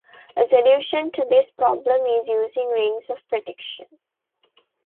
A solution to this problem is using rings of protection.